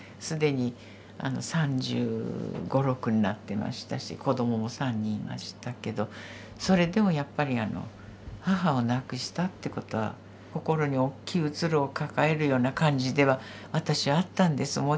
既に３５３６になってましたし子どもも３人いましたけどそれでもやっぱり母を亡くしたってことは心に大きい虚ろを抱えるような感じでは私はあったんです。